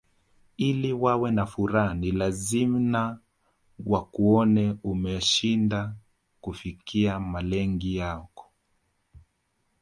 Ili wawe na furaha ni lazina wakuone umeshindwa kufikia malengi yako